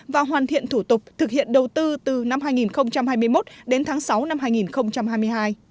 và hoàn thiện thủ tục thực hiện đầu tư từ năm hai nghìn hai mươi một đến tháng sáu năm hai nghìn hai mươi hai